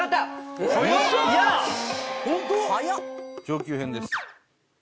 上級編です。